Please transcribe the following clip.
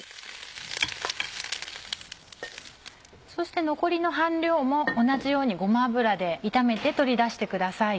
そして残りの半量も同じようにごま油で炒めて取り出してください。